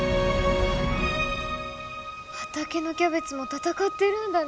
畑のキャベツも戦ってるんだね。